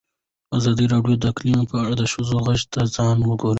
ازادي راډیو د اقلیتونه په اړه د ښځو غږ ته ځای ورکړی.